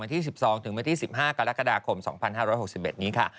ที่๑๒ถึงวันที่๑๕กรกฎาคม๒๕๖๑นี้ค่ะ